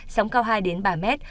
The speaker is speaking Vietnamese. sóng cao hai ba mét